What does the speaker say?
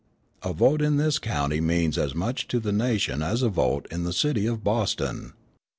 A vote in this county means as much to the nation as a vote in the city of Boston.